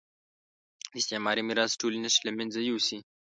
د استعماري میراث ټولې نښې له مېنځه یوسي.